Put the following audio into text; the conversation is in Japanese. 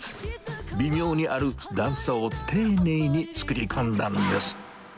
微妙にある段差を丁寧に作り込んだんです。